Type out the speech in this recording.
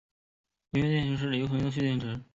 镍镉电池是一种流行的蓄电池。